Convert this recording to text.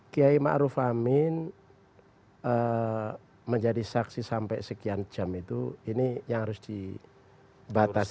kiai ma'ruf amin menjadi saksi sampai sekian jam itu ini yang harus dibatas